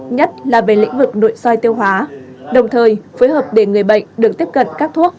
nhất là về lĩnh vực nội soi tiêu hóa đồng thời phối hợp để người bệnh được tiếp cận các thuốc